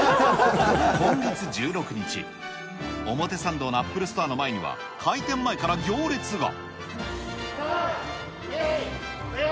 今月１６日、表参道のアップルストアの前には、開店前から行列が。